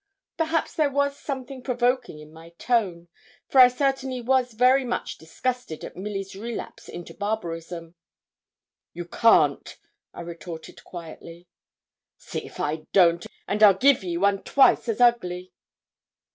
Perhaps there was something provoking in my tone, for I certainly was very much disgusted at Milly's relapse into barbarism. 'You can't,' I retorted quietly. 'See if I don't, and I'll give ye one twice as ugly.'